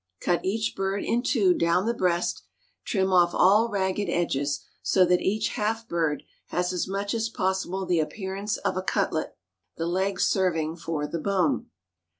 Cut each bird in two down the breast; trim off all ragged edges, so that each half bird has as much as possible the appearance of a cutlet, the leg serving for the bone.